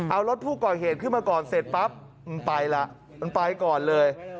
เอารถผู้ก่อเหตุขึ้นมาก่อนเสร็จปั๊บมันไปล่ะมันไปก่อนเลย